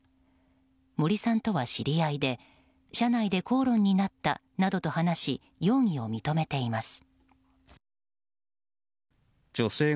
森さんとは知り合いで車内で口論になったなどと話し容疑を認めています。